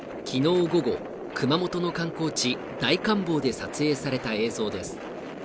昨日午後、熊本の観光地大観峰で撮影された映像です。